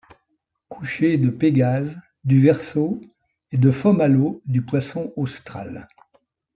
Coucher de Pégase, du Verseau, et de Fomalhaut du Poisson austral.